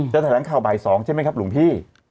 แถลงข่าวบ่าย๒ใช่ไหมครับหลวงพี่